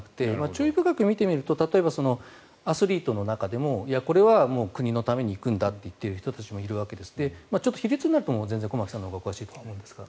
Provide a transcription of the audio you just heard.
注意深く見てみるとアスリートの中でもこれは国のために行くんだと言っている人もいるわけでちょっと比率になると全然、駒木さんのほうがお詳しいと思うんですが。